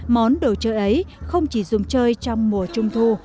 món đồ chơi ấy không chỉ dùng chơi trong mùa trung thu